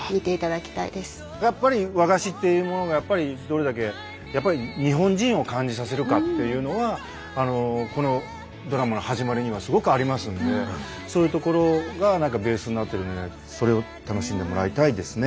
やっぱり和菓子っていうものがどれだけ日本人を感じさせるかっていうのはこのドラマの始まりにはすごくありますんでそういうところが何かベースになってるのでそれを楽しんでもらいたいですね。